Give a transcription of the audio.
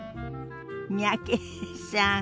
三宅さん